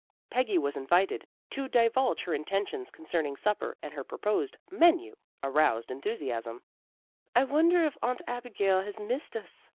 Peggy was invited to divulge her intentions concerning supper and her proposed menu aroused enthusiasm. "I wonder if Aunt Abigail has missed us?"